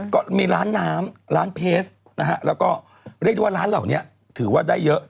ก็มีร้านน้ำร้านเพจนะฮะแล้วก็เรียกได้ว่าร้านเหล่านี้ถือว่าได้เยอะ